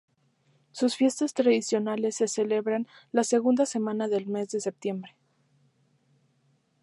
Sus fiestas tradicionales se celebran la segunda semana del mes de Septiembre.